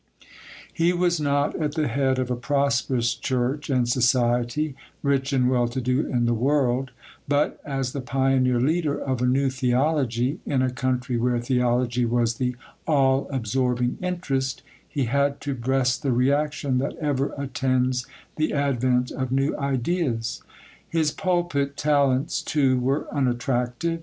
He was not at the head of a prosperous church and society, rich and well to do in the world,—but, as the pioneer leader of a new theology, in a country where theology was the all absorbing interest, he had to breast the reaction that ever attends the advent of new ideas. His pulpit talents, too, were unattractive.